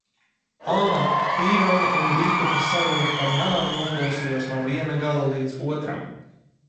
Ā, Tīrona un Rītupa sarunu par nāvi noklausījos no viena gala līdz otram.